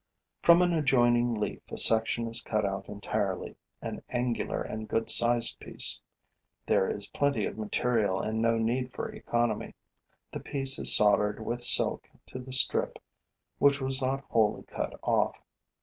From an adjoining leaf a section is cut out entirely, an angular and good sized piece. There is plenty of material and no need for economy. The piece is soldered with silk to the strip which was not wholly cut off.